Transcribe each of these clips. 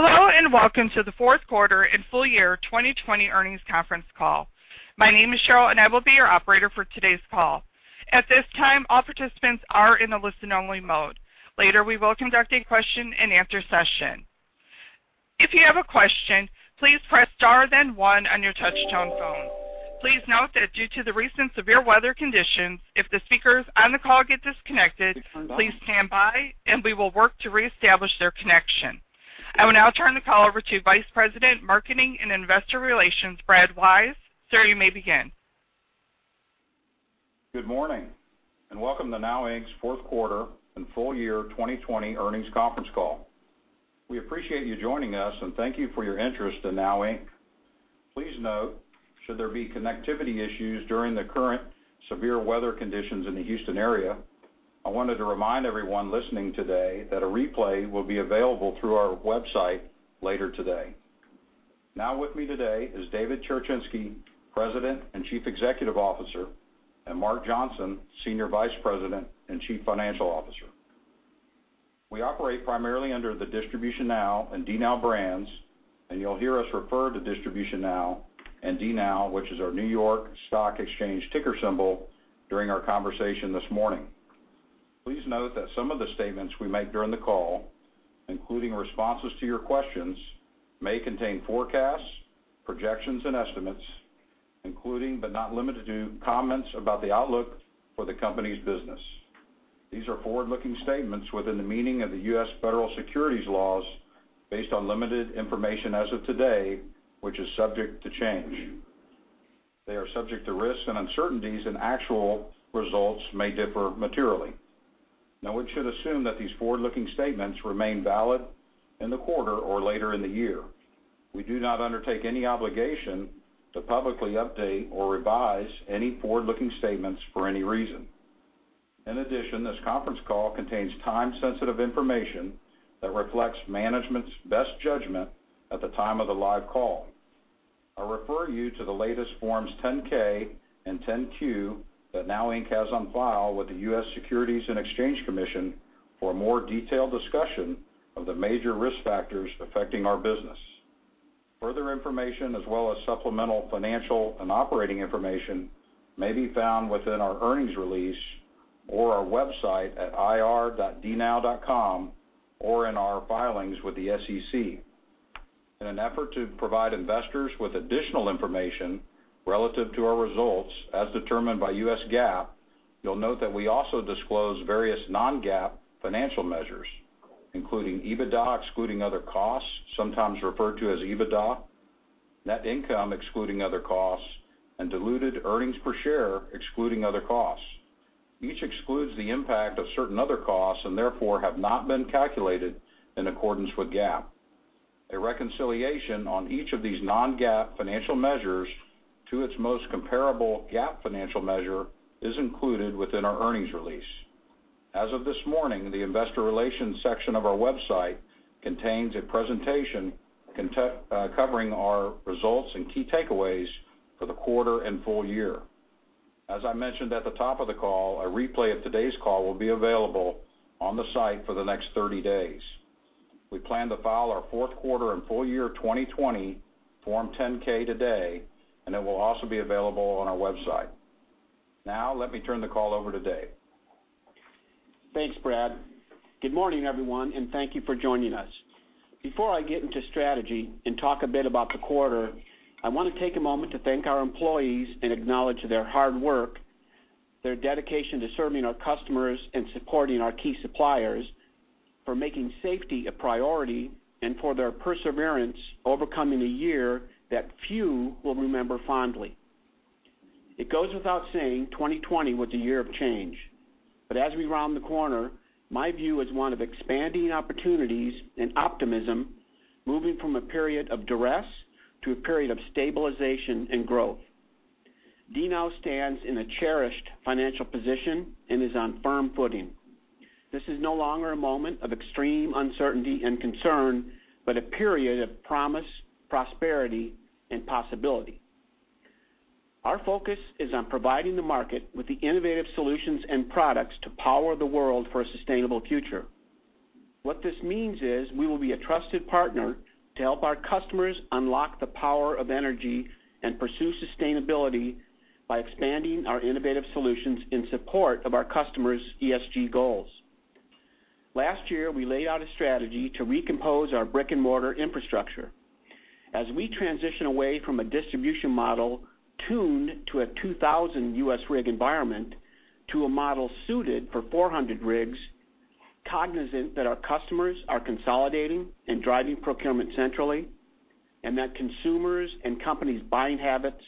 Hello, and welcome to the Fourth Quarter and Full Year 2020 Earnings Conference Call. My name is Cheryl and I will be your operator for today's call. At this time, all participants are in a listen-only mode. Later, we will conduct a question and answer session. If you have a question, please press star then one on your touch-tone phone. Please note that due to the recent severe weather conditions, if the speakers on the call get disconnected, please stand by and we will work to reestablish their connection. I will now turn the call over to Vice President, Marketing and Investor Relations, Brad Wise. Sir, you may begin. Good morning, and welcome to NOW Inc's Fourth Quarter and Full Year 2020 Earnings Conference Call. We appreciate you joining us and thank you for your interest in NOW Inc. Please note, should there be connectivity issues during the current severe weather conditions in the Houston area, I wanted to remind everyone listening today that a replay will be available through our website later today. Now with me today is David Cherechinsky, President and Chief Executive Officer, and Mark Johnson, Senior Vice President and Chief Financial Officer. We operate primarily under the DistributionNOW and DNOW brands, and you'll hear us refer to DistributionNOW and DNOW, which is our New York Stock Exchange ticker symbol, during our conversation this morning. Please note that some of the statements we make during the call, including responses to your questions, may contain forecasts, projections, and estimates, including but not limited to comments about the outlook for the company's business. These are forward-looking statements within the meaning of the U.S. federal securities laws based on limited information as of today, which is subject to change. They are subject to risks and uncertainties, and actual results may differ materially. No one should assume that these forward-looking statements remain valid in the quarter or later in the year. We do not undertake any obligation to publicly update or revise any forward-looking statements for any reason. In addition, this conference call contains time-sensitive information that reflects management's best judgment at the time of the live call. I refer you to the latest Forms 10-K and 10-Q that NOW Inc has on file with the U.S. Securities and Exchange Commission for a more detailed discussion of the major risk factors affecting our business. Further information as well as supplemental financial and operating information may be found within our earnings release or our website at ir.dnow.com or in our filings with the SEC. In an effort to provide investors with additional information relative to our results as determined by U.S. GAAP, you'll note that we also disclose various non-GAAP financial measures, including EBITDA excluding other costs, sometimes referred to as EBITDA, net income excluding other costs, and diluted earnings per share excluding other costs. Each excludes the impact of certain other costs and therefore have not been calculated in accordance with GAAP. A reconciliation on each of these non-GAAP financial measures to its most comparable GAAP financial measure is included within our earnings release. As of this morning, the investor relations section of our website contains a presentation covering our results and key takeaways for the quarter and full year. As I mentioned at the top of the call, a replay of today's call will be available on the site for the next 30 days. We plan to file our fourth quarter and full year 2020 Form 10-K today, and it will also be available on our website. Let me turn the call over to Dave. Thanks, Brad. Good morning, everyone, and thank you for joining us. Before I get into strategy and talk a bit about the quarter, I want to take a moment to thank our employees and acknowledge their hard work, their dedication to serving our customers and supporting our key suppliers, for making safety a priority, and for their perseverance overcoming a year that few will remember fondly. It goes without saying, 2020 was a year of change. As we round the corner, my view is one of expanding opportunities and optimism, moving from a period of duress to a period of stabilization and growth. DNOW stands in a cherished financial position and is on firm footing. This is no longer a moment of extreme uncertainty and concern, but a period of promise, prosperity, and possibility. Our focus is on providing the market with the innovative solutions and products to power the world for a sustainable future. What this means is we will be a trusted partner to help our customers unlock the power of energy and pursue sustainability by expanding our innovative solutions in support of our customers' ESG goals. Last year, we laid out a strategy to recompose our brick-and-mortar infrastructure. As we transition away from a distribution model tuned to a 2,000 U.S. rig environment to a model suited for 400 rigs, cognizant that our customers are consolidating and driving procurement centrally, and that consumers' and companies' buying habits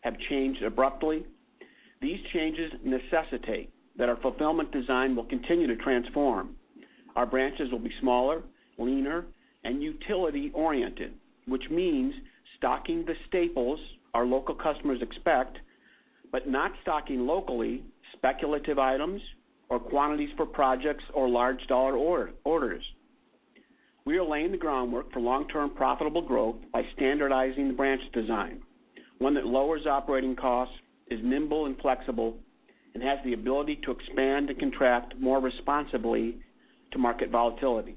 have changed abruptly. These changes necessitate that our fulfillment design will continue to transform. Our branches will be smaller, leaner, and utility-oriented. Which means stocking the staples our local customers expect, but not stocking locally speculative items or quantities for projects or large dollar orders. We are laying the groundwork for long-term profitable growth by standardizing the branch design. One that lowers operating costs, is nimble and flexible, and has the ability to expand and contract more responsibly to market volatility.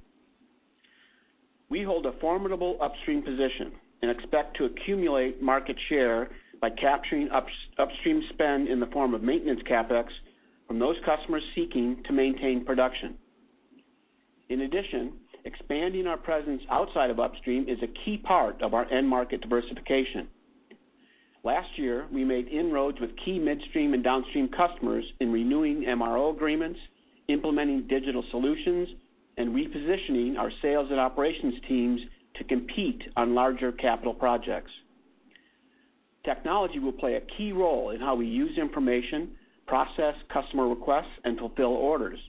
We hold a formidable upstream position and expect to accumulate market share by capturing upstream spend in the form of maintenance CapEx from those customers seeking to maintain production. In addition, expanding our presence outside of upstream is a key part of our end market diversification. Last year, we made inroads with key midstream and downstream customers in renewing MRO agreements, implementing digital solutions, and repositioning our sales and operations teams to compete on larger capital projects. Technology will play a key role in how we use information, process customer requests, and fulfill orders.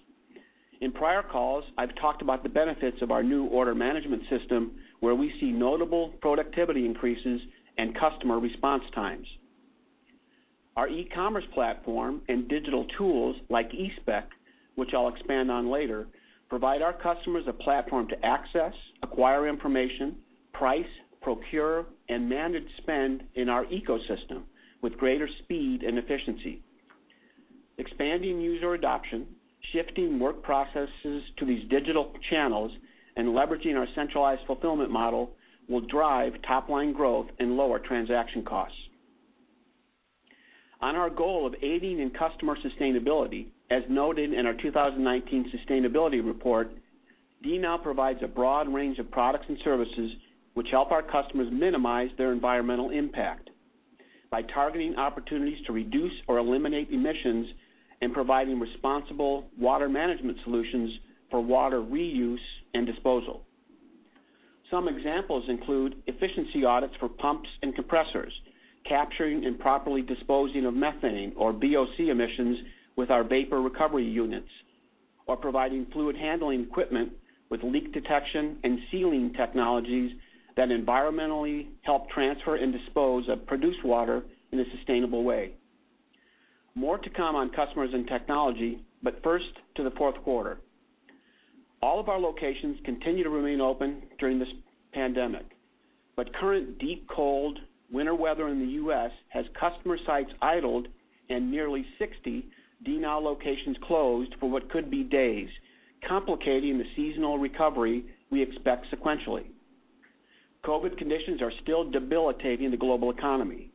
In prior calls, I've talked about the benefits of our new order management system, where we see notable productivity increases and customer response times. Our e-commerce platform and digital tools like eSpec, which I'll expand on later, provide our customers a platform to access, acquire information, price, procure, and manage spend in our ecosystem with greater speed and efficiency. Expanding user adoption, shifting work processes to these digital channels, and leveraging our centralized fulfillment model will drive top-line growth and lower transaction costs. On our goal of aiding in customer sustainability, as noted in our 2019 sustainability report, DNOW provides a broad range of products and services which help our customers minimize their environmental impact by targeting opportunities to reduce or eliminate emissions and providing responsible water management solutions for water reuse and disposal. Some examples include efficiency audits for pumps and compressors, capturing and properly disposing of methane or VOC emissions with our vapor recovery units, or providing fluid handling equipment with leak detection and sealing technologies that environmentally help transfer and dispose of produced water in a sustainable way. More to come on customers and technology, but first to the fourth quarter. All of our locations continue to remain open during this pandemic, but current deep cold winter weather in the U.S. has customer sites idled and nearly 60 DNOW locations closed for what could be days, complicating the seasonal recovery we expect sequentially. COVID conditions are still debilitating the global economy.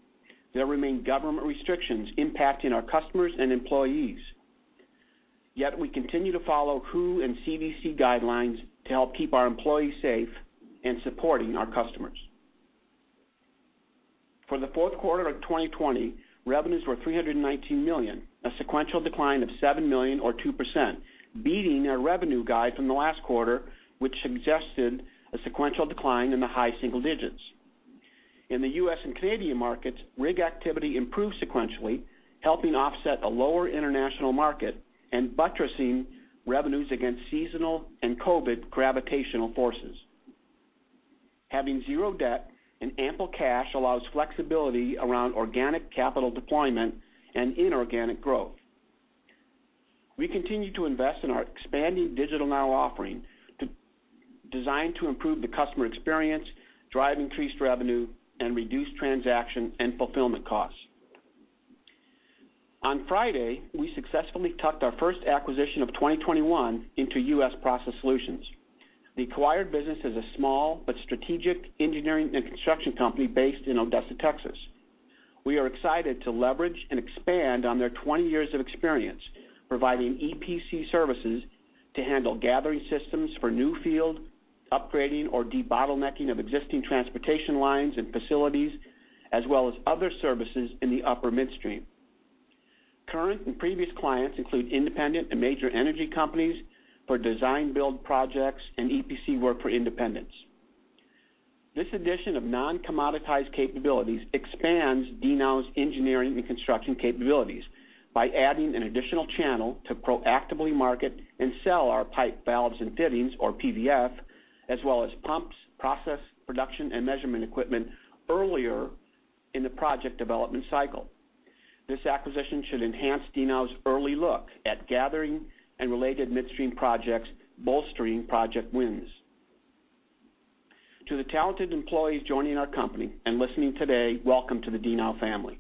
There remain government restrictions impacting our customers and employees. Yet we continue to follow WHO and CDC guidelines to help keep our employees safe in supporting our customers. For the fourth quarter of 2020, revenues were $319 million, a sequential decline of $7 million or 2%, beating our revenue guide from the last quarter, which suggested a sequential decline in the high single digits. In the U.S. and Canadian markets, rig activity improved sequentially, helping offset a lower international market and buttressing revenues against seasonal and COVID gravitational forces. Having zero debt and ample cash allows flexibility around organic capital deployment and inorganic growth. We continue to invest in our expanding DigitalNOW offering designed to improve the customer experience, drive increased revenue, and reduce transaction and fulfillment costs. On Friday, we successfully tucked our first acquisition of 2021 into U.S. Process Solutions. The acquired business is a small but strategic engineering and construction company based in Odessa, Texas. We are excited to leverage and expand on their 20 years of experience providing EPC services to handle gathering systems for new field, upgrading or debottlenecking of existing transportation lines and facilities, as well as other services in the upper midstream. Current and previous clients include independent and major energy companies for design build projects and EPC work for independents. This addition of non-commoditized capabilities expands DNOW's engineering and construction capabilities by adding an additional channel to proactively market and sell our pipe, valves, and fittings, or PVF, as well as pumps, process, production, and measurement equipment earlier in the project development cycle. This acquisition should enhance DNOW's early look at gathering and related midstream projects, bolstering project wins. To the talented employees joining our company and listening today, welcome to the DNOW family.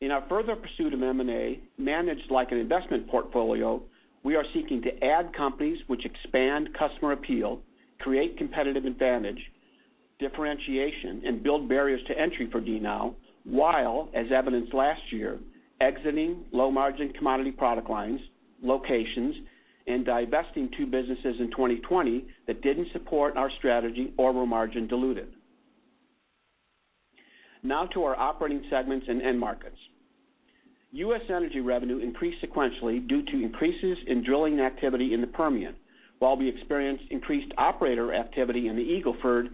In our further pursuit of M&A, managed like an investment portfolio, we are seeking to add companies which expand customer appeal, create competitive advantage, differentiation, and build barriers to entry for DNOW, while, as evidenced last year, exiting low-margin commodity product lines, locations, and divesting two businesses in 2020 that didn't support our strategy or were margin dilutive. Now to our operating segments and end markets. U.S. energy revenue increased sequentially due to increases in drilling activity in the Permian, while we experienced increased operator activity in the Eagle Ford,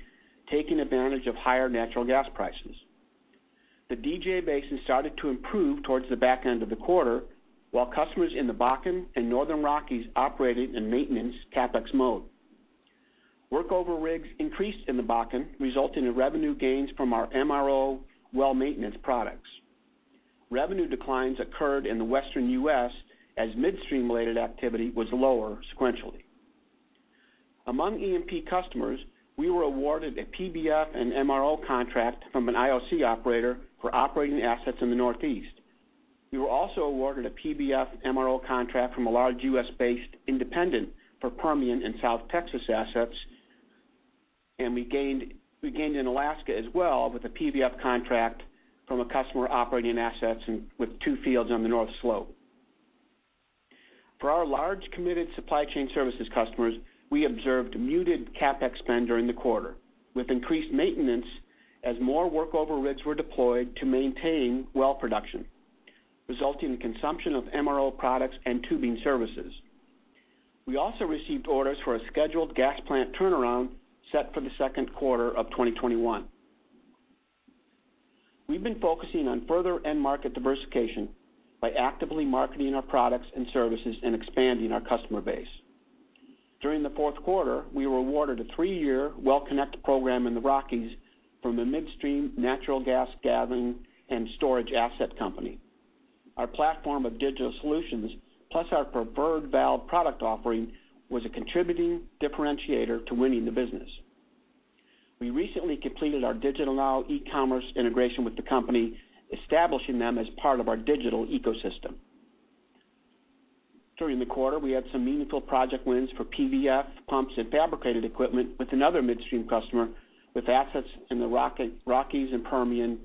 taking advantage of higher natural gas prices. The DJ Basin started to improve towards the back end of the quarter, while customers in the Bakken and Northern Rockies operated in maintenance CapEx mode. Workover rigs increased in the Bakken, resulting in revenue gains from our MRO well maintenance products. Revenue declines occurred in the Western U.S. as midstream-related activity was lower sequentially. Among E&P customers, we were awarded a PVF and MRO contract from an IOC operator for operating assets in the Northeast. We were also awarded a PVF MRO contract from a large U.S.-based independent for Permian and South Texas assets, and we gained in Alaska as well with a PVF contract from a customer operating assets with two fields on the North Slope. For our large committed supply chain services customers, we observed muted CapEx spend during the quarter, with increased maintenance as more workover rigs were deployed to maintain well production, resulting in consumption of MRO products and tubing services. We also received orders for a scheduled gas plant turnaround set for the second quarter of 2021. We've been focusing on further end market diversification by actively marketing our products and services and expanding our customer base. During the fourth quarter, we were awarded a three-year well connect program in the Rockies from a midstream natural gas gathering and storage asset company. Our platform of digital solutions, plus our preferred valve product offering, was a contributing differentiator to winning the business. We recently completed our DigitalNOW e-commerce integration with the company, establishing them as part of our digital ecosystem. During the quarter, we had some meaningful project wins for PVF pumps and fabricated equipment with another midstream customer with assets in the Rockies and Permian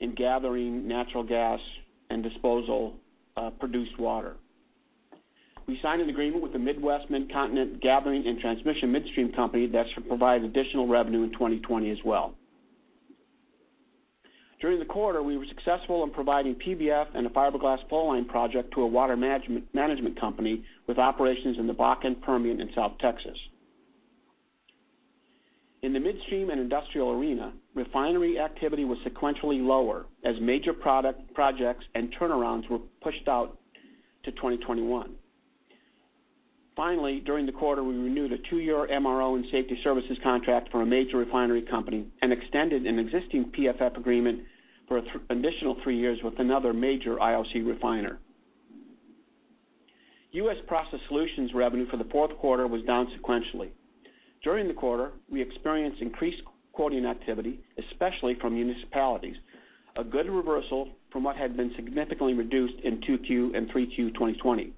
in gathering natural gas and disposal of produced water. We signed an agreement with the Midwest Midcontinent Gathering and Transmission midstream company that should provide additional revenue in 2020 as well. During the quarter, we were successful in providing PVF and a fiberglass flowline project to a water management company with operations in the Bakken, Permian, and South Texas. In the midstream and industrial arena, refinery activity was sequentially lower as major projects and turnarounds were pushed out to 2021. Finally, during the quarter, we renewed a two-year MRO and safety services contract for a major refinery company and extended an existing PVF agreement for an additional three years with another major IOC refiner. U.S. Process Solutions revenue for the fourth quarter was down sequentially. During the quarter, we experienced increased quoting activity, especially from municipalities, a good reversal from what had been significantly reduced in 2Q and 3Q 2020.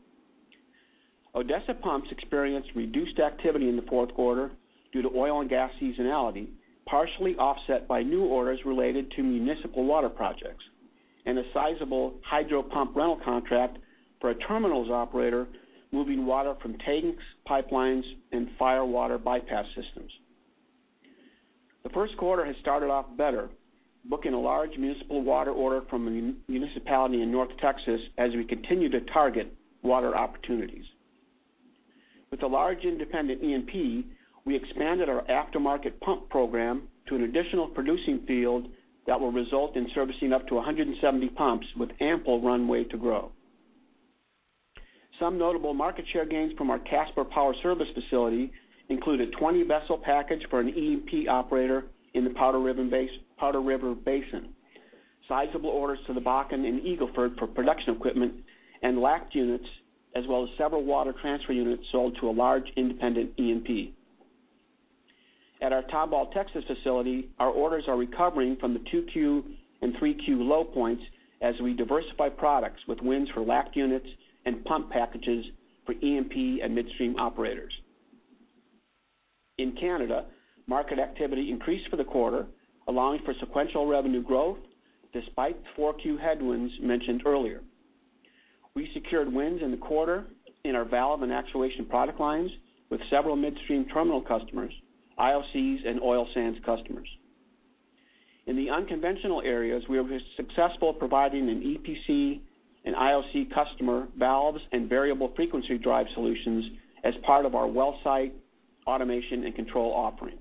Odessa Pumps experienced reduced activity in the fourth quarter due to oil and gas seasonality, partially offset by new orders related to municipal water projects and a sizable hydro pump rental contract for a terminals operator moving water from tanks, pipelines, and fire water bypass systems. The first quarter has started off better, booking a large municipal water order from a municipality in North Texas as we continue to target water opportunities. With a large independent E&P, we expanded our aftermarket pump program to an additional producing field that will result in servicing up to 170 pumps with ample runway to grow. Some notable market share gains from our Casper Power Service facility include a 20-vessel package for an E&P operator in the Powder River Basin, sizable orders to the Bakken and Eagle Ford for production equipment and LACT units, as well as several water transfer units sold to a large independent E&P. At our Tomball, Texas facility, our orders are recovering from the 2Q and 3Q low points as we diversify products with wins for LACT units and pump packages for E&P and midstream operators. In Canada, market activity increased for the quarter, allowing for sequential revenue growth despite 4Q headwinds mentioned earlier. We secured wins in the quarter in our valve and actuation product lines with several midstream terminal customers, IOCs, and oil sands customers. In the unconventional areas, we were successful providing an EPC, an IOC customer, valves, and variable frequency drive solutions as part of our well site automation and control offering.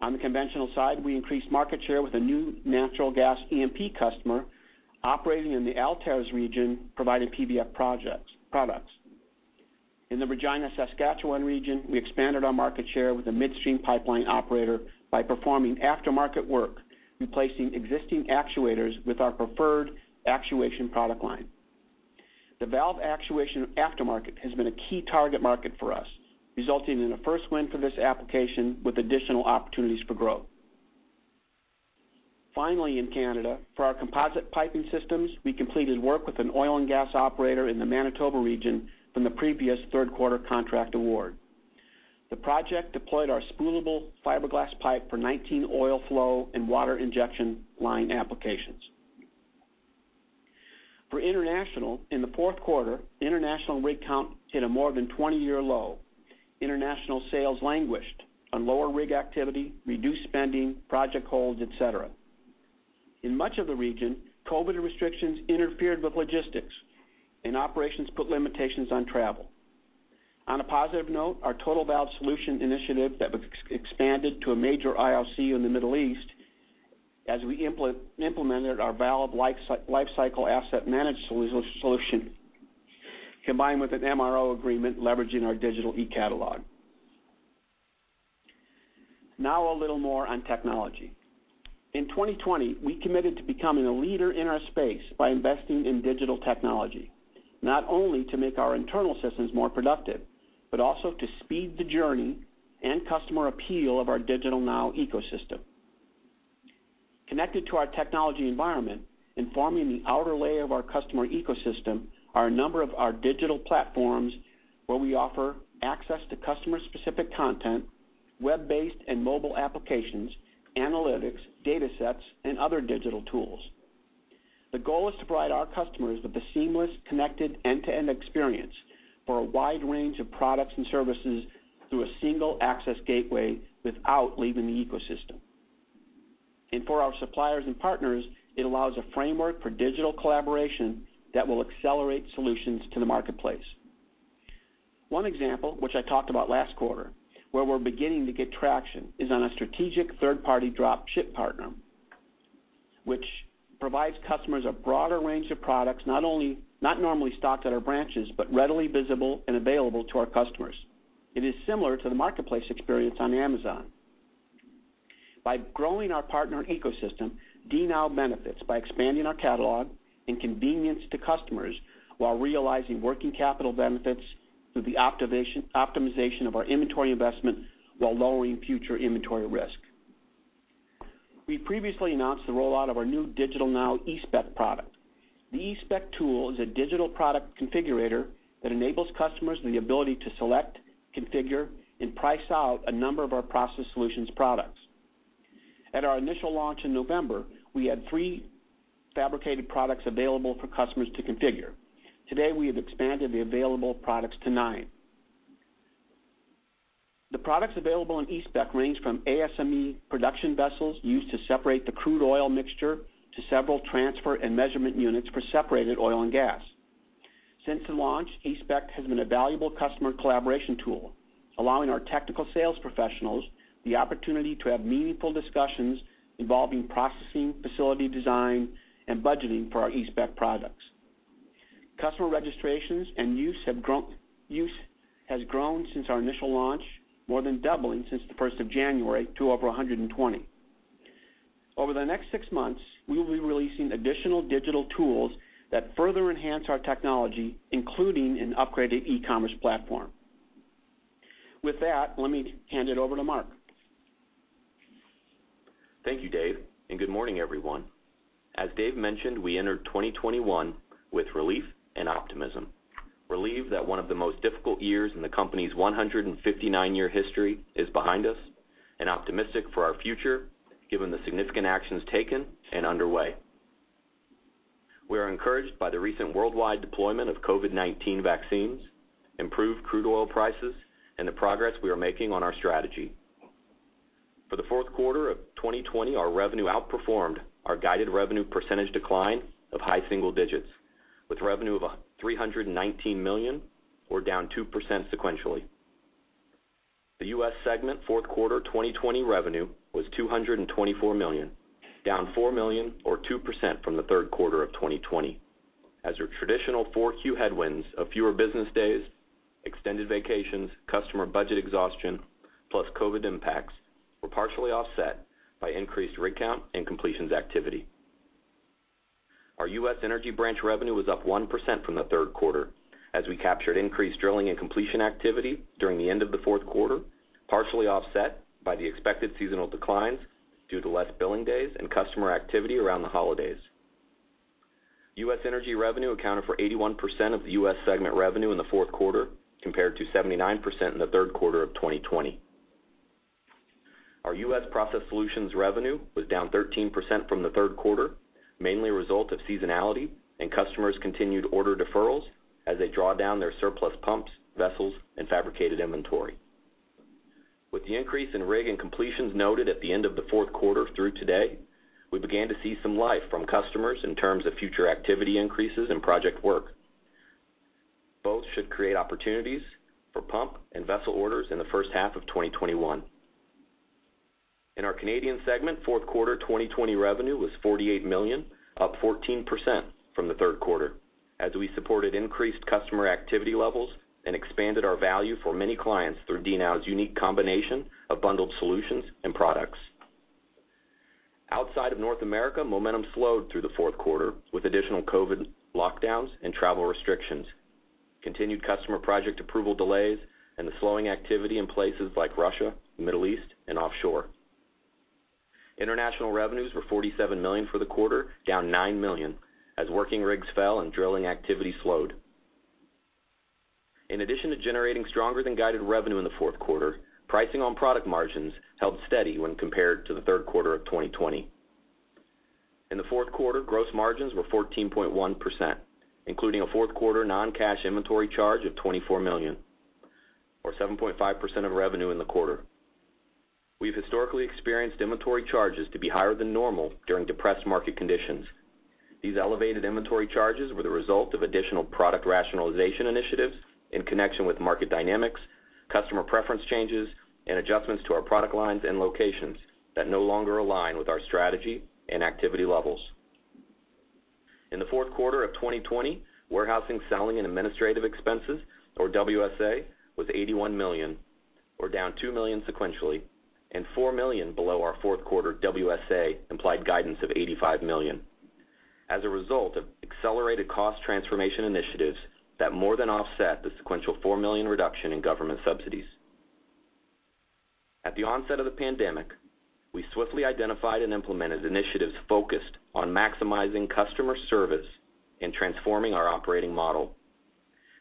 On the conventional side, we increased market share with a new natural gas E&P customer operating in the Altares region, providing PVF products. In the Regina, Saskatchewan region, we expanded our market share with a midstream pipeline operator by performing aftermarket work, replacing existing actuators with our preferred actuation product line. The valve actuation aftermarket has been a key target market for us, resulting in a first win for this application with additional opportunities for growth. Finally, in Canada, for our composite piping systems, we completed work with an oil and gas operator in the Manitoba region from the previous third quarter contract award. The project deployed our spoolable fiberglass pipe for 19 oil flow and water injection line applications. For international, in the fourth quarter, international rig count hit a more than 20-year low. International sales languished on lower rig activity, reduced spending, project holds, et cetera. In much of the region, COVID restrictions interfered with logistics, and operations put limitations on travel. On a positive note, our Total Valve solution initiative expanded to a major IOC in the Middle East as we implemented our valve life cycle asset managed solution combined with an MRO agreement leveraging our digital e-catalog. A little more on technology. In 2020, we committed to becoming a leader in our space by investing in digital technology. Not only to make our internal systems more productive, but also to speed the journey and customer appeal of our DigitalNOW ecosystem. Connected to our technology environment, forming the outer layer of our customer ecosystem are a number of our digital platforms where we offer access to customer-specific content, web-based and mobile applications, analytics, data sets, and other digital tools. The goal is to provide our customers with a seamless, connected end-to-end experience for a wide range of products and services through a single access gateway without leaving the ecosystem. For our suppliers and partners, it allows a framework for digital collaboration that will accelerate solutions to the marketplace. One example, which I talked about last quarter, where we're beginning to get traction is on a strategic third-party drop ship partner, which provides customers a broader range of products, not normally stocked at our branches, but readily visible and available to our customers. It is similar to the marketplace experience on Amazon. By growing our partner ecosystem, DNOW benefits by expanding our catalog and convenience to customers while realizing working capital benefits through the optimization of our inventory investment while lowering future inventory risk. We previously announced the rollout of our new DigitalNOW eSpec product. The eSpec tool is a digital product configurator that enables customers the ability to select, configure, and price out a number of our process solutions products. At our initial launch in November, we had three fabricated products available for customers to configure. Today, we have expanded the available products to nine. The products available on eSpec range from ASME production vessels used to separate the crude oil mixture to several transfer and measurement units for separated oil and gas. Since the launch, eSpec has been a valuable customer collaboration tool, allowing our technical sales professionals the opportunity to have meaningful discussions involving processing, facility design, and budgeting for our eSpec products. Customer registrations and use has grown since our initial launch, more than doubling since the 1st of January to over 120. Over the next six months, we will be releasing additional digital tools that further enhance our technology, including an upgraded e-commerce platform. With that, let me hand it over to Mark. Thank you, Dave. Good morning, everyone. As Dave mentioned, we entered 2021 with relief and optimism. Relieved that one of the most difficult years in the company's 159-year history is behind us, optimistic for our future, given the significant actions taken and underway. We are encouraged by the recent worldwide deployment of COVID-19 vaccines, improved crude oil prices, the progress we are making on our strategy. For the fourth quarter of 2020, our revenue outperformed our guided revenue percentage decline of high single digits with revenue of $319 million or down 2% sequentially. The U.S. segment fourth quarter 2020 revenue was $224 million, down $4 million or 2% from the third quarter of 2020. As our traditional 4Q headwinds of fewer business days, extended vacations, customer budget exhaustion, plus COVID impacts were partially offset by increased rig count and completions activity. Our U.S. energy branch revenue was up 1% from the third quarter as we captured increased drilling and completion activity during the end of the fourth quarter, partially offset by the expected seasonal declines due to less billing days and customer activity around the holidays. U.S. energy revenue accounted for 81% of the U.S. segment revenue in the fourth quarter, compared to 79% in the third quarter of 2020. Our U.S. Process Solutions revenue was down 13% from the third quarter, mainly a result of seasonality and customers' continued order deferrals as they draw down their surplus pumps, vessels, and fabricated inventory. With the increase in rig and completions noted at the end of the fourth quarter through today, we began to see some life from customers in terms of future activity increases and project work. Both should create opportunities for pump and vessel orders in the first half of 2021. In our Canadian segment, fourth quarter 2020 revenue was $48 million, up 14% from the third quarter as we supported increased customer activity levels and expanded our value for many clients through DNOW's unique combination of bundled solutions and products. Outside of North America, momentum slowed through the fourth quarter with additional COVID lockdowns and travel restrictions, continued customer project approval delays, and the slowing activity in places like Russia, Middle East, and offshore. International revenues were $47 million for the quarter, down $9 million as working rigs fell and drilling activity slowed. In addition to generating stronger than guided revenue in the fourth quarter, pricing on product margins held steady when compared to the third quarter of 2020. In the fourth quarter, gross margins were 14.1%, including a fourth quarter non-cash inventory charge of $24 million, or 7.5% of revenue in the quarter. We've historically experienced inventory charges to be higher than normal during depressed market conditions. These elevated inventory charges were the result of additional product rationalization initiatives in connection with market dynamics, customer preference changes, and adjustments to our product lines and locations that no longer align with our strategy and activity levels. In the fourth quarter of 2020, warehousing, selling, and administrative expenses, or WSA, was $81 million, or down $2 million sequentially, and $4 million below our fourth quarter WSA implied guidance of $85 million as a result of accelerated cost transformation initiatives that more than offset the sequential $4 million reduction in government subsidies. At the onset of the pandemic, we swiftly identified and implemented initiatives focused on maximizing customer service and transforming our operating model.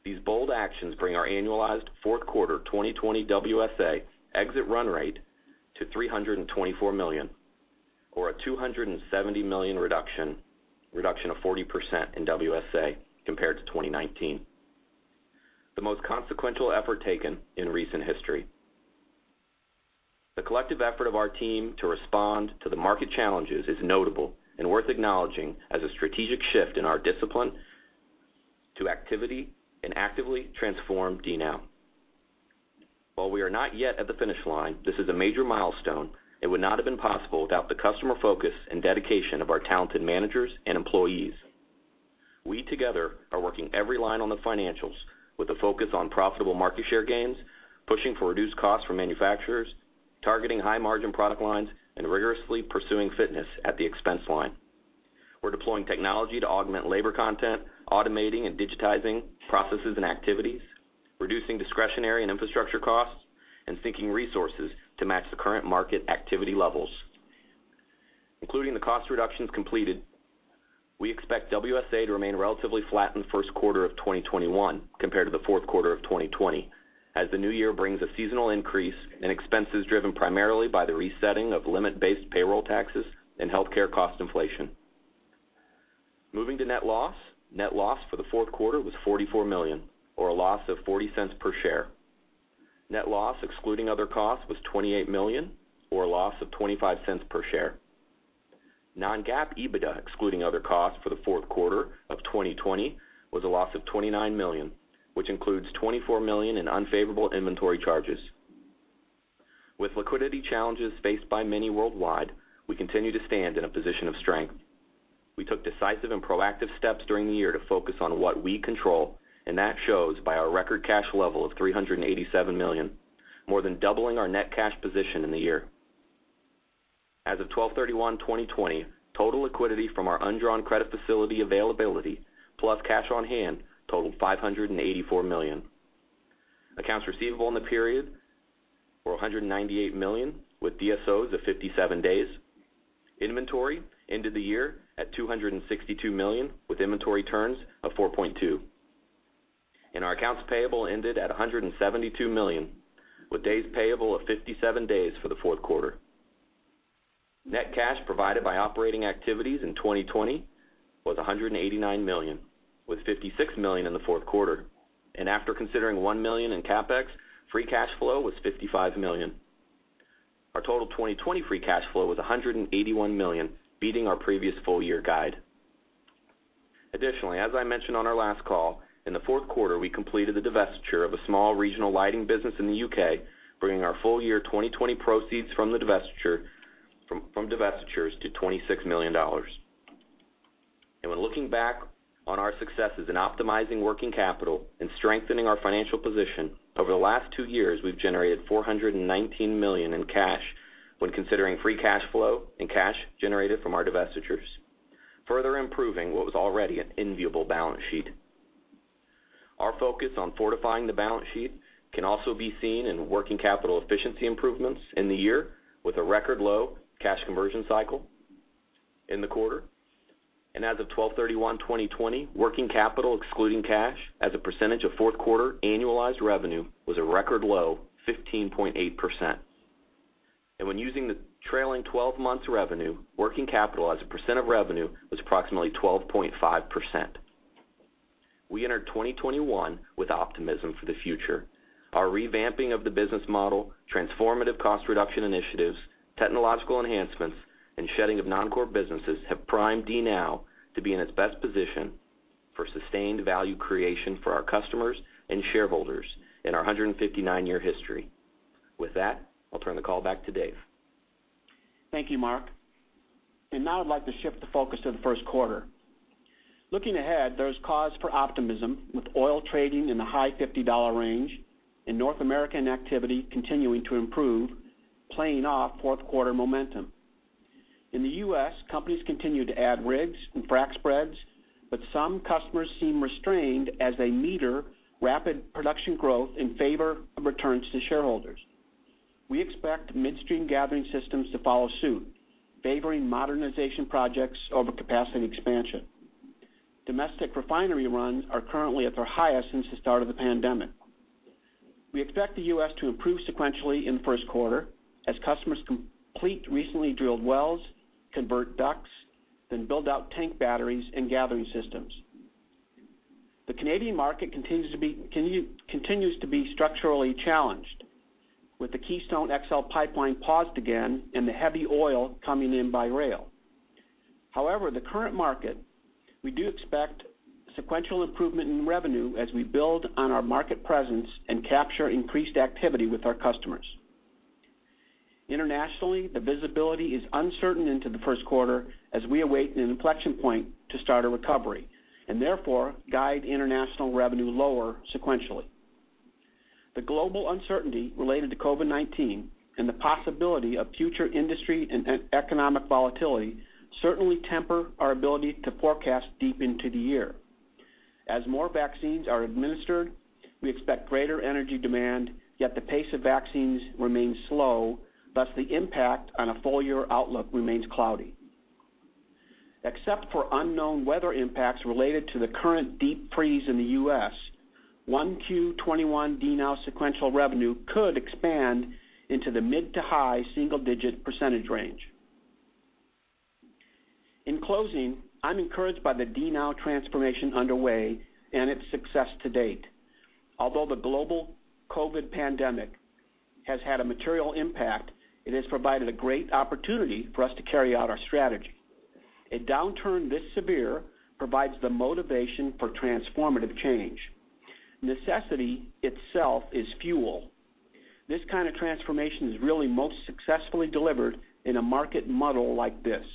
These bold actions bring our annualized fourth quarter 2020 WSA exit run rate to $324 million, or a $270 million reduction, a reduction of 40% in WSA compared to 2019, the most consequential effort taken in recent history. The collective effort of our team to respond to the market challenges is notable and worth acknowledging as a strategic shift in our discipline to activity and actively transform DNOW. While we are not yet at the finish line, this is a major milestone and would not have been possible without the customer focus and dedication of our talented managers and employees. We together are working every line on the financials with a focus on profitable market share gains, pushing for reduced costs for manufacturers, targeting high-margin product lines, and rigorously pursuing fitness at the expense line. We're deploying technology to augment labor content, automating and digitizing processes and activities, reducing discretionary and infrastructure costs, and syncing resources to match the current market activity levels. Including the cost reductions completed, we expect WSA to remain relatively flat in the first quarter of 2021 compared to the fourth quarter of 2020, as the new year brings a seasonal increase in expenses driven primarily by the resetting of limit-based payroll taxes and healthcare cost inflation. Moving to net loss. Net loss for the fourth quarter was $44 million, or a loss of $0.40 per share. Net loss excluding other costs was $28 million, or a loss of $0.25 per share. Non-GAAP EBITDA excluding other costs for the fourth quarter of 2020 was a loss of $29 million, which includes $24 million in unfavorable inventory charges. With liquidity challenges faced by many worldwide, we continue to stand in a position of strength. We took decisive and proactive steps during the year to focus on what we control, that shows by our record cash level of $387 million, more than doubling our net cash position in the year. As of 12/31/2020, total liquidity from our undrawn credit facility availability plus cash on hand totaled $584 million. Accounts receivable in the period were $198 million, with DSOs of 57 days. Inventory ended the year at $262 million, with inventory turns of 4.2. Our accounts payable ended at $172 million, with days payable of 57 days for the fourth quarter. Net cash provided by operating activities in 2020 was $189 million, with $56 million in the fourth quarter. After considering $1 million in CapEx, free cash flow was $55 million. Our total 2020 free cash flow was $181 million, beating our previous full-year guide. Additionally, as I mentioned on our last call, in the fourth quarter, we completed the divestiture of a small regional lighting business in the U.K., bringing our full-year 2020 proceeds from divestitures to $26 million. When looking back on our successes in optimizing working capital and strengthening our financial position, over the last two years, we've generated $419 million in cash when considering free cash flow and cash generated from our divestitures, further improving what was already an enviable balance sheet. Our focus on fortifying the balance sheet can also be seen in working capital efficiency improvements in the year, with a record low cash conversion cycle in the quarter. As of 12/31/2020, working capital excluding cash as a percentage of fourth-quarter annualized revenue was a record low 15.8%. When using the trailing 12 months revenue, working capital as a percent of revenue was approximately 12.5%. We enter 2021 with optimism for the future. Our revamping of the business model, transformative cost reduction initiatives, technological enhancements, and shedding of non-core businesses have primed DNOW to be in its best position for sustained value creation for our customers and shareholders in our 159-year history. With that, I will turn the call back to Dave. Thank you, Mark. Now I'd like to shift the focus to the first quarter. Looking ahead, there's cause for optimism with oil trading in the high $50 range and North American activity continuing to improve, playing off fourth quarter momentum. In the U.S., companies continue to add rigs and frack spreads, but some customers seem restrained as they meter rapid production growth in favor of returns to shareholders. We expect midstream gathering systems to follow suit, favoring modernization projects over capacity expansion. Domestic refinery runs are currently at their highest since the start of the pandemic. We expect the U.S. to improve sequentially in the first quarter as customers complete recently drilled wells, convert DUCs, then build out tank batteries and gathering systems. The Canadian market continues to be structurally challenged, with the Keystone XL pipeline paused again and the heavy oil coming in by rail. The current market, we do expect sequential improvement in revenue as we build on our market presence and capture increased activity with our customers. Internationally, the visibility is uncertain into the first quarter as we await an inflection point to start a recovery, and therefore guide international revenue lower sequentially. The global uncertainty related to COVID-19 and the possibility of future industry and economic volatility certainly temper our ability to forecast deep into the year. As more vaccines are administered, we expect greater energy demand, yet the pace of vaccines remains slow, thus the impact on a full-year outlook remains cloudy. Except for unknown weather impacts related to the current deep freeze in the U.S., 1Q21 DNOW sequential revenue could expand into the mid to high single-digit percentage range. In closing, I'm encouraged by the DNOW transformation underway and its success to date. Although the global COVID pandemic has had a material impact, it has provided a great opportunity for us to carry out our strategy. A downturn this severe provides the motivation for transformative change. Necessity itself is fuel. This kind of transformation is really most successfully delivered in a market muddle like this.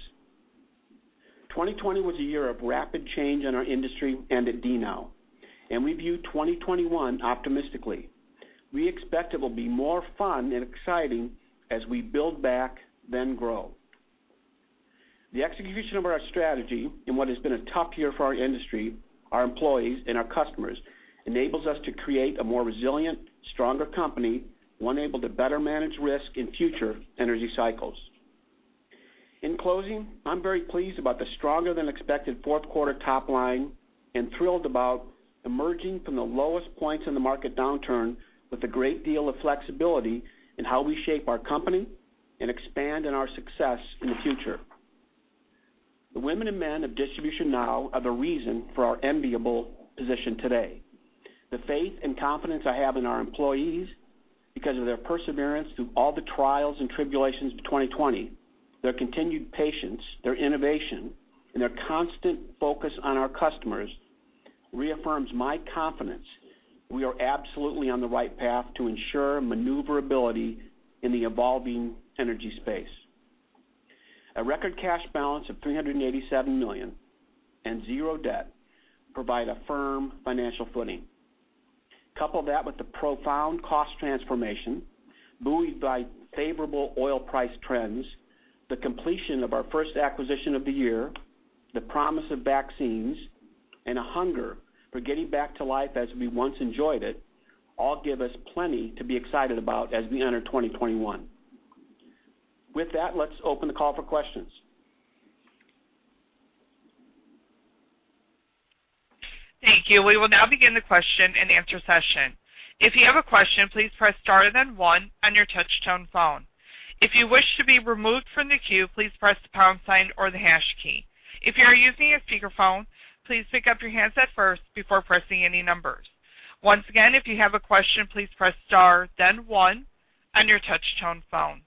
2020 was a year of rapid change in our industry and at DNOW, and we view 2021 optimistically. We expect it will be more fun and exciting as we build back, then grow. The execution of our strategy in what has been a tough year for our industry, our employees, and our customers enables us to create a more resilient, stronger company, one able to better manage risk in future energy cycles. In closing, I'm very pleased about the stronger than expected fourth quarter top line, and thrilled about emerging from the lowest points in the market downturn with a great deal of flexibility in how we shape our company and expand on our success in the future. The women and men of DistributionNOW are the reason for our enviable position today. The faith and confidence I have in our employees because of their perseverance through all the trials and tribulations of 2020, their continued patience, their innovation, and their constant focus on our customers reaffirms my confidence we are absolutely on the right path to ensure maneuverability in the evolving energy space. A record cash balance of $387 million and zero debt provide a firm financial footing. Couple that with the profound cost transformation, buoyed by favorable oil price trends, the completion of our first acquisition of the year, the promise of vaccines, and a hunger for getting back to life as we once enjoyed it, all give us plenty to be excited about as we enter 2021. With that, let's open the call for questions. Thank you. We will now begin the question and answer session. If you have a question, please press star, then one on your touchtone phone. If you wish to be removed from the queue, please press the pound sign or the hash key. If you are using a speakerphone, please pick up your handset first before pressing any numbers. Once again, if you have a question, please press star then one on your touchtone phone.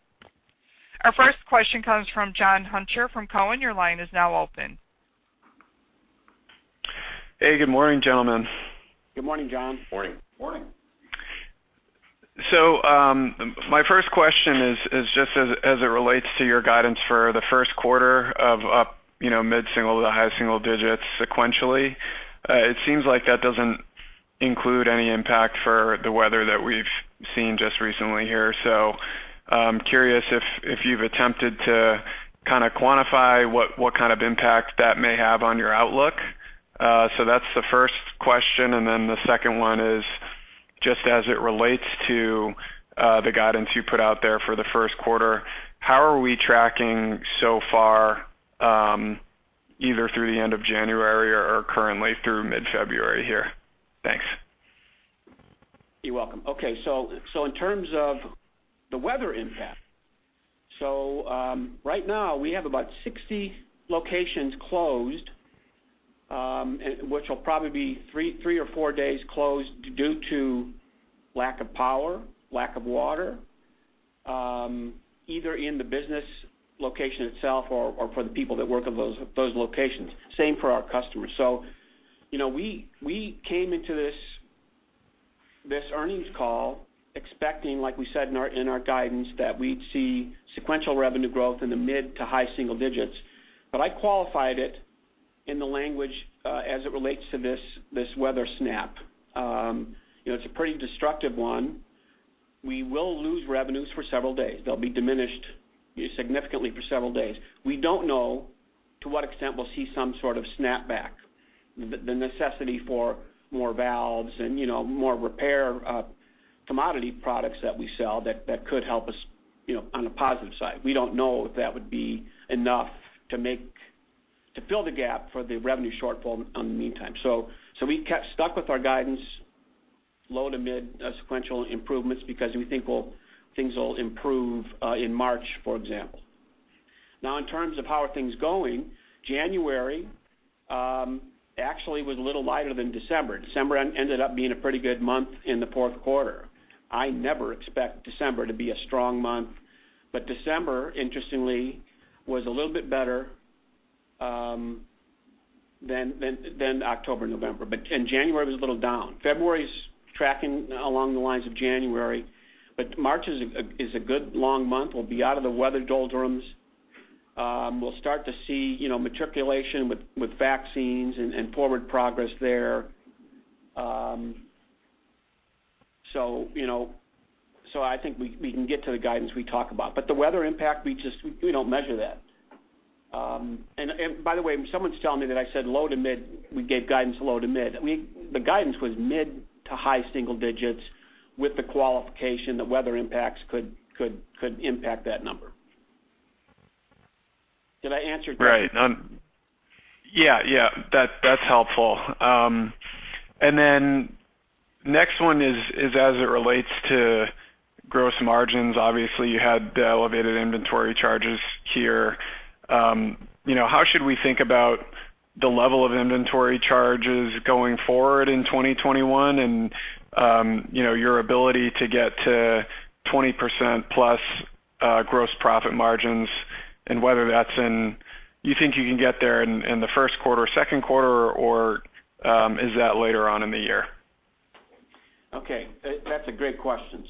Our first question comes from John Hunter from Cowen. Your line is now open. Hey, good morning, gentlemen. Good morning, John. Morning. Morning. My first question is just as it relates to your guidance for the first quarter of up mid-single to high single digits sequentially. It seems like that doesn't include any impact for the weather that we've seen just recently here. Curious if you've attempted to kind of quantify what kind of impact that may have on your outlook. That's the first question. The second one is, just as it relates to the guidance you put out there for the first quarter, how are we tracking so far, either through the end of January or currently through mid-February here? Thanks. You're welcome. In terms of the weather impact, right now we have about 60 locations closed, which will probably be three or four days closed due to lack of power, lack of water, either in the business location itself or for the people that work at those locations. Same for our customers. We came into this earnings call expecting, like we said in our guidance, that we'd see sequential revenue growth in the mid to high single digits. I qualified it in the language as it relates to this weather snap. It's a pretty destructive one. We will lose revenues for several days. They'll be diminished significantly for several days. We don't know to what extent we'll see some sort of snapback, the necessity for more valves and more repair commodity products that we sell that could help us on the positive side. We don't know if that would be enough to fill the gap for the revenue shortfall in the meantime. We stuck with our guidance, low to mid sequential improvements, because we think things will improve in March, for example. Now, in terms of how are things going, January actually was a little lighter than December. December ended up being a pretty good month in the fourth quarter. I never expect December to be a strong month. December, interestingly, was a little bit better than October, November. January was a little down. February's tracking along the lines of January, but March is a good long month. We'll be out of the weather doldrums. We'll start to see matriculation with vaccines and forward progress there. I think we can get to the guidance we talk about, but the weather impact, we don't measure that. By the way, someone's telling me that I said low to mid, we gave guidance low to mid. The guidance was mid to high single digits with the qualification that weather impacts could impact that number. Did I answer? Right. Yeah, that's helpful. Next one is as it relates to gross margins. Obviously, you had the elevated inventory charges here. How should we think about the level of inventory charges going forward in 2021 and your ability to get to 20%+ gross profit margins and whether you think you can get there in the first quarter, second quarter, or is that later on in the year? Okay. That's a great question.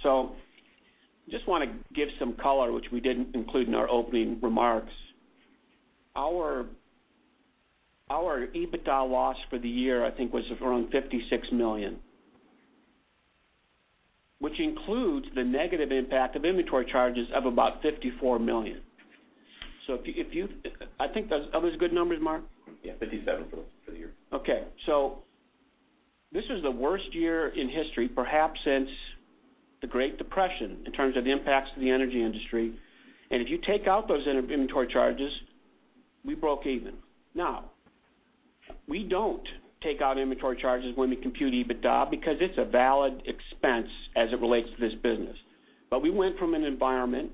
Just want to give some color, which we didn't include in our opening remarks. Our EBITDA loss for the year, I think, was around $56 million, which includes the negative impact of inventory charges of about $54 million. Are those good numbers, Mark? Yeah, $57 million for the year. This was the worst year in history, perhaps since the Great Depression, in terms of impacts to the energy industry. If you take out those inventory charges, we broke even. We don't take out inventory charges when we compute EBITDA because it's a valid expense as it relates to this business. We went from an environment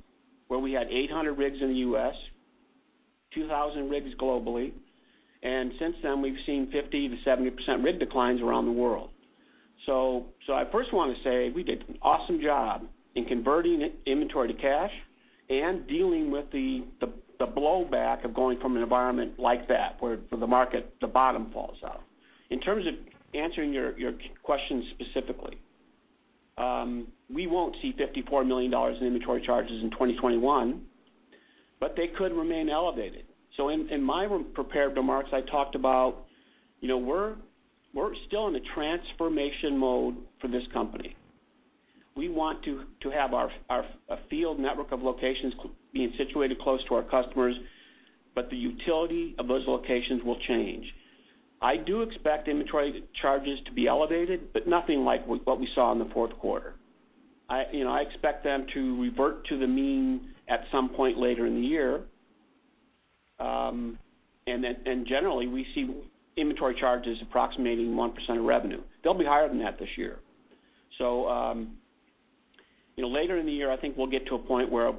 where we had 800 rigs in the U.S., 2,000 rigs globally, and since then, we've seen 50%-70% rig declines around the world. I first want to say we did an awesome job in converting inventory to cash and dealing with the blowback of going from an environment like that, where for the market, the bottom falls out. In terms of answering your question specifically, we won't see $54 million in inventory charges in 2021, but they could remain elevated. In my prepared remarks, I talked about we're still in a transformation mode for this company. We want to have a field network of locations being situated close to our customers, but the utility of those locations will change. I do expect inventory charges to be elevated, but nothing like what we saw in the fourth quarter. I expect them to revert to the mean at some point later in the year. Generally, we see inventory charges approximating 1% of revenue. They'll be higher than that this year. Later in the year, I think we'll get to a point where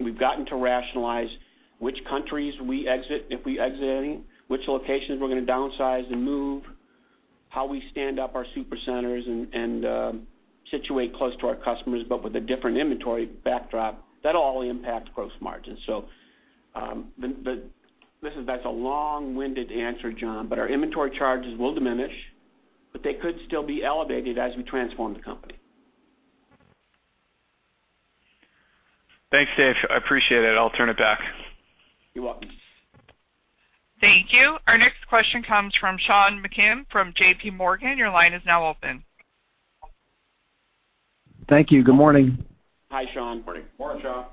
we've gotten to rationalize which countries we exit, if we exit any, which locations we're going to downsize and move, how we stand up our super centers and situate close to our customers, but with a different inventory backdrop. That'll all impact gross margin. That's a long-winded answer, John, but our inventory charges will diminish, but they could still be elevated as we transform the company. Thanks, Dave. I appreciate it. I'll turn it back. You're welcome. Thank you. Our next question comes from Sean Meakim from JPMorgan. Your line is now open. Thank you. Good morning. Hi, Sean. Morning. Morning, Sean.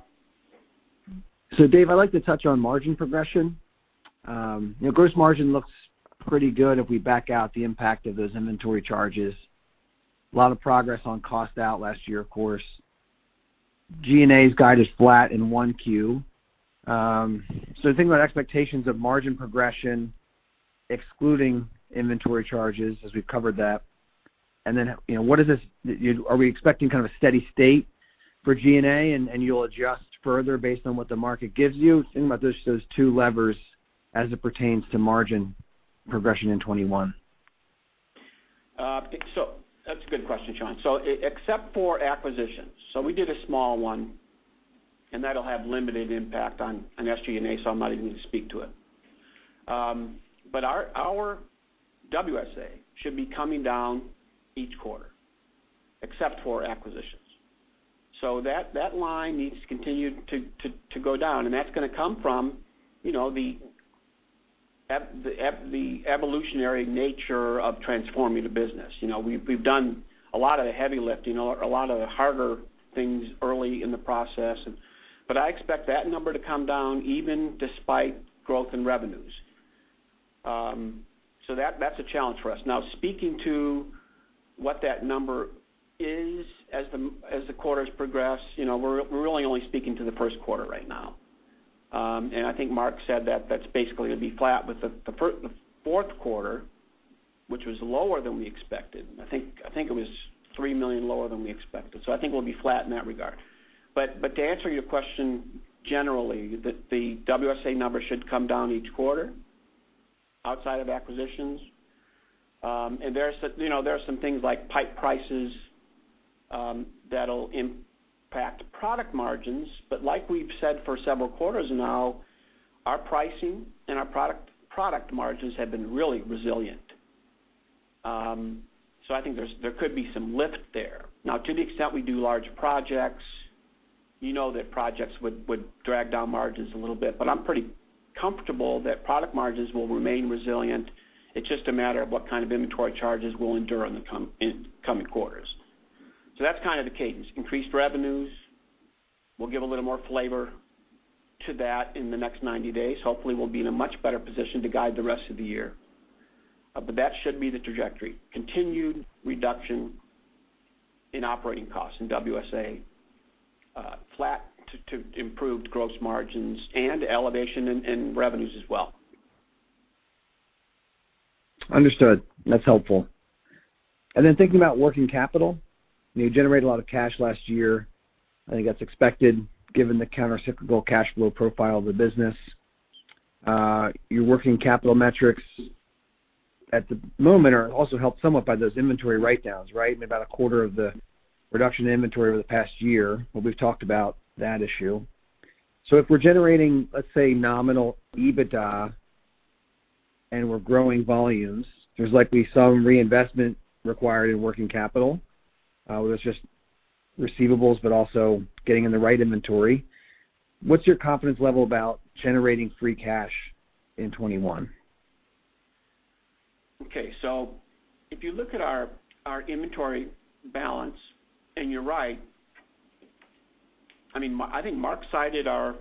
Dave, I'd like to touch on margin progression. Gross margin looks pretty good if we back out the impact of those inventory charges. A lot of progress on cost out last year, of course. G&A's guide is flat in 1Q. Think about expectations of margin progression, excluding inventory charges, as we've covered that. Then are we expecting kind of a steady state for G&A and you'll adjust further based on what the market gives you? Thinking about just those two levers as it pertains to margin progression in 2021. That's a good question, Sean. Except for acquisitions, so we did a small one, and that'll have limited impact on SG&A, so I'm not even going to speak to it. Our WSA should be coming down each quarter except for acquisitions. That line needs to continue to go down, and that's going to come from the evolutionary nature of transforming the business. We've done a lot of the heavy lifting or a lot of the harder things early in the process, but I expect that number to come down even despite growth in revenues. That's a challenge for us. Now, speaking to what that number is as the quarters progress, we're really only speaking to the first quarter right now. I think Mark said that that's basically going to be flat with the fourth quarter, which was lower than we expected. I think it was $3 million lower than we expected. I think we'll be flat in that regard. To answer your question generally, the WSA number should come down each quarter outside of acquisitions. And there are some things like pipe prices that'll impact product margins. Like we've said for several quarters now, our pricing and our product margins have been really resilient. I think there could be some lift there. Now, to the extent we do large projects, you know that projects would drag down margins a little bit, but I'm pretty comfortable that product margins will remain resilient. It's just a matter of what kind of inventory charges we'll endure in the coming quarters. That's kind of the cadence. Increased revenues. We'll give a little more flavor to that in the next 90 days. Hopefully, we'll be in a much better position to guide the rest of the year. That should be the trajectory. Continued reduction in operating costs in WSA. Flat to improved gross margins and elevation in revenues as well. Understood. That's helpful. Then thinking about working capital, you generated a lot of cash last year, I think that's expected given the countercyclical cash flow profile of the business. Your working capital metrics at the moment are also helped somewhat by those inventory write-downs, right? About a quarter of the reduction in inventory over the past year, but we've talked about that issue. If we're generating, let's say, nominal EBITDA, and we're growing volumes, there's likely some reinvestment required in working capital. Well, it's just receivables, but also getting in the right inventory. What's your confidence level about generating free cash in 2021? Okay. If you look at our inventory balance, and you're right. I think Mark cited our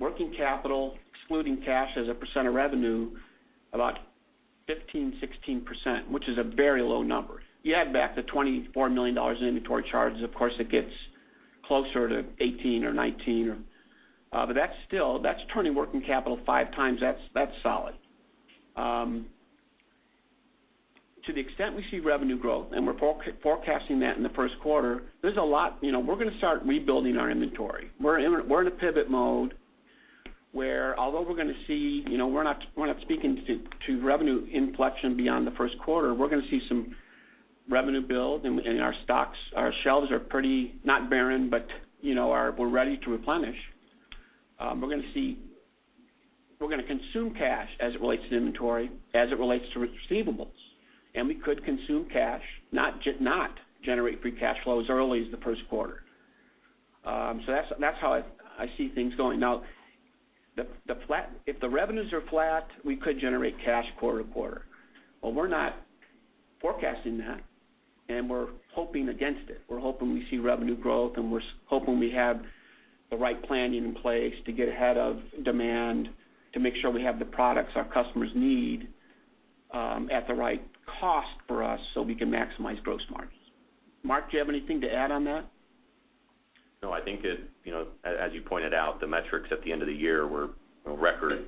working capital, excluding cash as a percent of revenue, about 15%, 16%, which is a very low number. You add back the $24 million in inventory charges, of course, it gets closer to 18% or 19%. That's turning working capital five times. That's solid. To the extent we see revenue growth, and we're forecasting that in the first quarter, we're going to start rebuilding our inventory. We're in a pivot mode, where although we're not speaking to revenue inflection beyond the first quarter, we're going to see some revenue build, and our stocks, our shelves are pretty, not barren, but we're ready to replenish. We're going to consume cash as it relates to inventory, as it relates to receivables, and we could consume cash, not generate free cash flow as early as the first quarter. That's how I see things going. If the revenues are flat, we could generate cash quarter to quarter. We're not forecasting that, and we're hoping against it. We're hoping we see revenue growth, and we're hoping we have the right plan in place to get ahead of demand to make sure we have the products our customers need at the right cost for us so we can maximize gross margins. Mark, do you have anything to add on that? No, I think that, as you pointed out, the metrics at the end of the year were record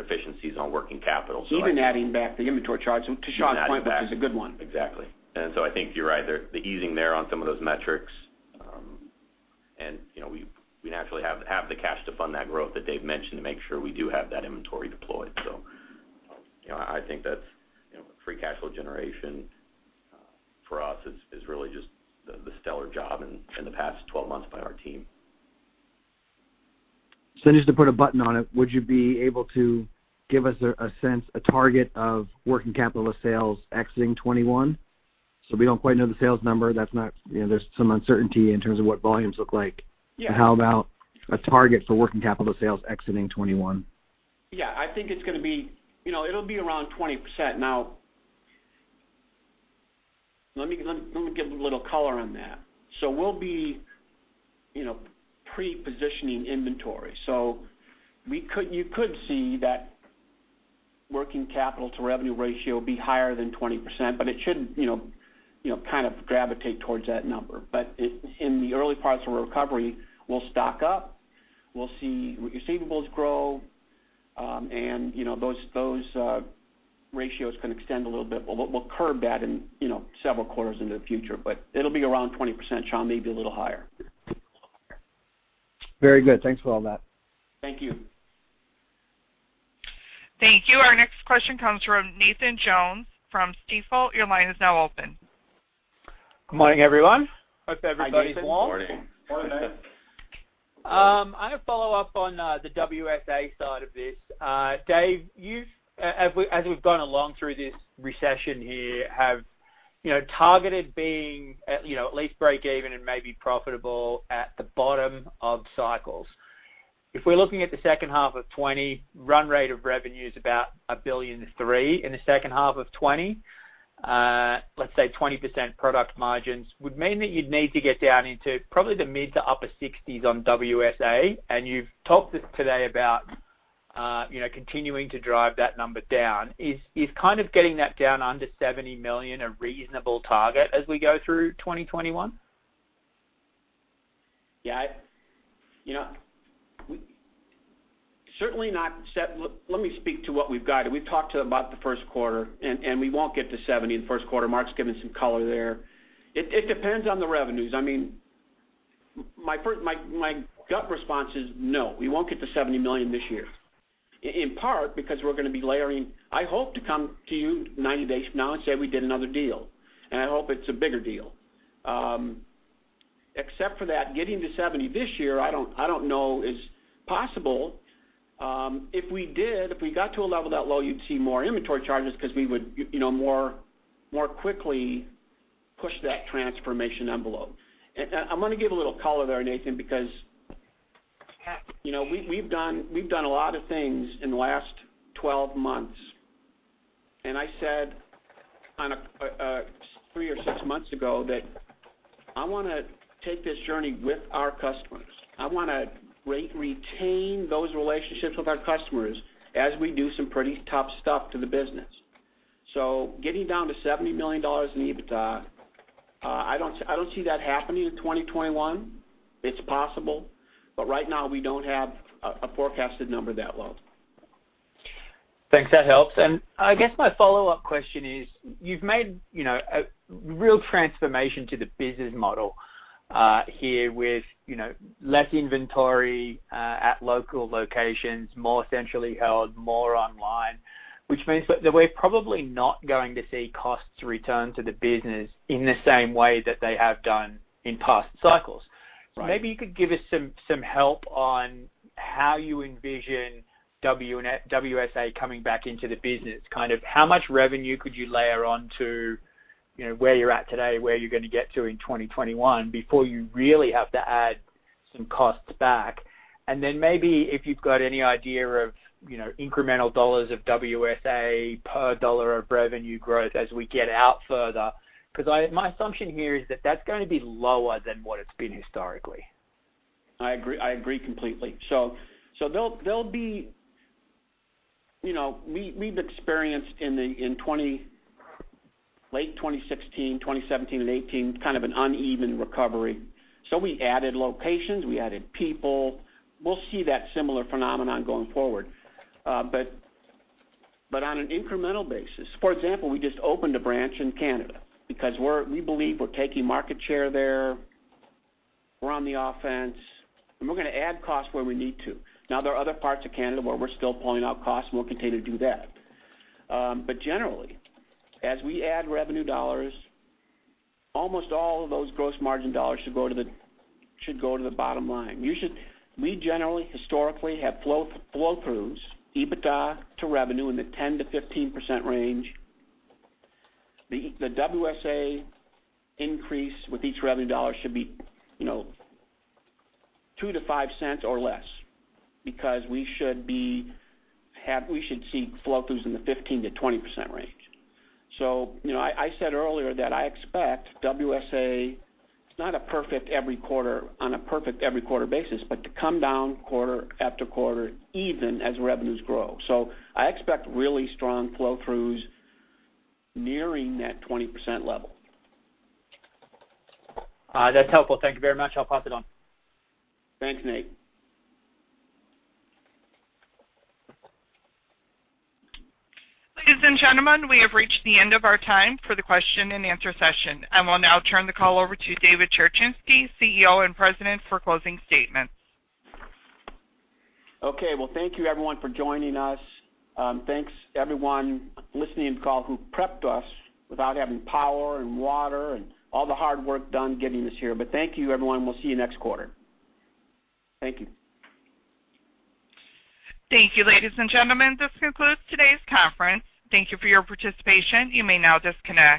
efficiencies on working capital. Even adding back the inventory charges, and to Sean's point, which is a good one. Exactly. I think you're right. The easing there on some of those metrics, and we naturally have the cash to fund that growth that Dave mentioned to make sure we do have that inventory deployed. I think that free cash flow generation for us is really just the stellar job in the past 12 months by our team. Just to put a button on it, would you be able to give us a sense, a target of working capital to sales exiting 2021? We don't quite know the sales number. There's some uncertainty in terms of what volumes look like. Yeah. How about a target for working capital to sales exiting 2021? Yeah, I think it'll be around 20%. Let me give a little color on that. We'll be pre-positioning inventory. You could see that working capital to revenue ratio be higher than 20%, it should kind of gravitate towards that number. We'll stock up, we'll see receivables grow, those ratios can extend a little bit. We'll curb that in several quarters into the future, it'll be around 20%, Sean, maybe a little higher. Very good. Thanks for all that. Thank you. Thank you. Our next question comes from Nathan Jones from Stifel. Your line is now open. Good morning, everyone. Hope everybody's warm. Hi, Nathan. Good morning. Morning. Morning, Nathan. I'm going to follow up on the WSA side of this. Dave, as we've gone along through this recession here, have targeted being at least break even and maybe profitable at the bottom of cycles. If we're looking at the second half of 2020, run rate of revenue's about $1.3 billion in the second half of 2020. Let's say 20% product margins would mean that you'd need to get down into probably the mid to upper 60s on WSA, and you've talked today about continuing to drive that number down. Is kind of getting that down under $70 million a reasonable target as we go through 2021? Yeah. Let me speak to what we've guided. We've talked about the first quarter, and we won't get to $70 million in the first quarter. Mark's given some color there. It depends on the revenues. My gut response is no, we won't get to $70 million this year. In part, because we're going to be layering. I hope to come to you 90 days from now and say we did another deal, and I hope it's a bigger deal. Except for that, getting to $70 million this year, I don't know is possible. If we did, if we got to a level that low, you'd see more inventory charges because we would more quickly push that transformation envelope. I'm going to give a little color there, Nathan, because we've done a lot of things in the last 12 months, and I said three or six months ago that I want to take this journey with our customers. I want to retain those relationships with our customers as we do some pretty tough stuff to the business. Getting down to $70 million in EBITDA, I don't see that happening in 2021. It's possible, but right now we don't have a forecasted number that low. Thanks. That helps. I guess my follow-up question is, you've made a real transformation to the business model here with less inventory at local locations, more centrally held, more online, which means that we're probably not going to see costs return to the business in the same way that they have done in past cycles. Right. Maybe you could give us some help on how you envision WSA coming back into the business. How much revenue could you layer on to where you're at today, where you're going to get to in 2021, before you really have to add some costs back? Then maybe if you've got any idea of incremental dollars of WSA per dollar of revenue growth as we get out further, because my assumption here is that that's going to be lower than what it's been historically. I agree completely. We've experienced in late 2016, 2017, and 2018, kind of an uneven recovery. We added locations, we added people. We'll see that similar phenomenon going forward. On an incremental basis. For example, we just opened a branch in Canada because we believe we're taking market share there. We're on the offense, and we're going to add costs where we need to. There are other parts of Canada where we're still pulling out costs, and we'll continue to do that. Generally, as we add revenue dollars, almost all of those gross margin dollars should go to the bottom line. We generally, historically, have flow-throughs, EBITDA to revenue in the 10%-15% range. The WSA increase with each revenue dollar should be $0.02-$0.05 or less, because we should see flow-throughs in the 15%-20% range. I said earlier that I expect WSA, it's not on a perfect every quarter basis, but to come down quarter after quarter, even as revenues grow. I expect really strong flow-throughs nearing that 20% level. That's helpful. Thank you very much. I'll pass it on. Thanks, Nate. Ladies and gentlemen, we have reached the end of our time for the question and answer session, and we'll now turn the call over to David Cherechinsky, CEO and President, for closing statements. Okay. Well, thank you everyone for joining us. Thanks everyone listening to the call who prepped us without having power and water, and all the hard work done getting us here. Thank you, everyone. We'll see you next quarter. Thank you. Thank you, ladies and gentlemen. This concludes today's conference. Thank you for your participation. You may now disconnect.